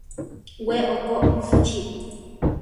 We okó busichí.